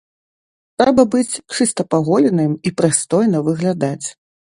Трэба быць чыста паголеным і прыстойна выглядаць.